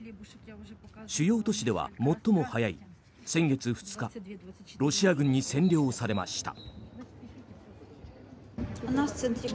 主要都市では最も早い先月２日ロシア軍に制圧されました。